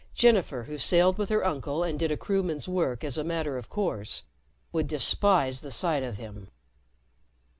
Jennifer, who sailed with her uncle and did a crewman's work as a matter of course, would despise the sight of him.